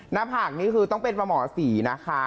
หน้าผากนี่คือต้องเป็นประหมอสีนะคะ